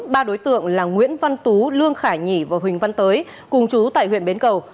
ba đối tượng là nguyễn văn tú lương khải nhì và huỳnh văn tới cùng chú tại huyện bến cầu